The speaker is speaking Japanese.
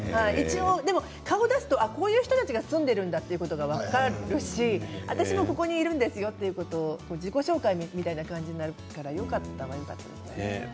でも顔を出すとこういう人たちが住んでいるんだということが分かるんですが私もここにいるんですよっていう自己紹介みたいな感じができてよかったです。